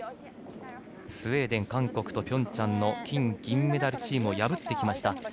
スウェーデン、韓国とピョンチャンの金、銀メダルチームを破ってきました。